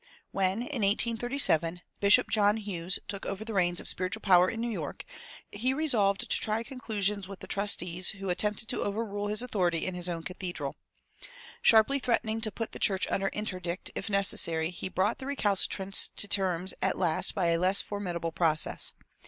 When, in 1837, Bishop John Hughes took the reins of spiritual power in New York, he resolved to try conclusions with the trustees who attempted to overrule his authority in his own cathedral. Sharply threatening to put the church under interdict, if necessary, he brought the recalcitrants to terms at last by a less formidable process.